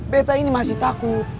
bete ini masih takut